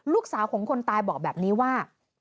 ลูกสาวของคนตายบอกแบบนี้ว่า